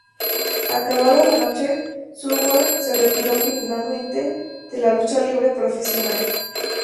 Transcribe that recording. Acabada la noche, Suwa se retiró finalmente de la lucha libre profesional.